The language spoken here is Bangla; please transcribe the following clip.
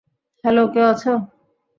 হ্যালো, কেউ আছো?